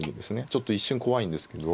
ちょっと一瞬怖いんですけど。